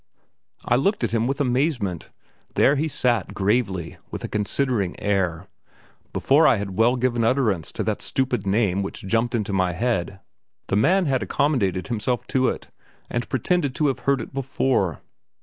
I looked at him with amazement; there he sat, gravely, with a considering air. Before I had well given utterance to the stupid name which jumped into my head the man had accommodated himself to it, and pretended to have heard it before.